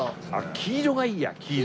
黄色がいいや黄色。